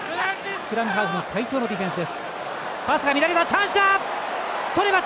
スクラムハーフの齋藤のディフェンス。